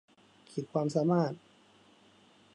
ขีดความสามารถ